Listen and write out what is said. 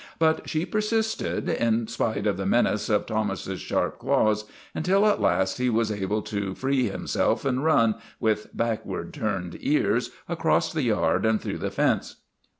But she persisted, in spite of the menace of Thomas's sharp claws, until at last he was able to free himself and run, with backward turned ears, across the yard and through the fence.